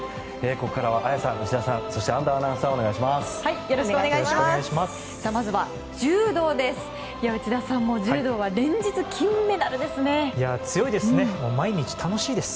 ここからは綾さん、内田さんそして安藤アナウンサーよろしくお願いします。